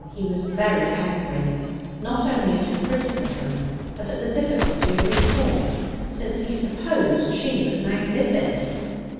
He was very angry, not only at her criticism, but at the difficulty of retort, since he supposed she was now 'missus.'